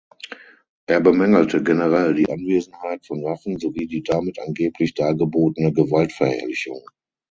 Er bemängelte generell die Anwesenheit von Waffen sowie die damit angeblich dargebotene Gewaltverherrlichung.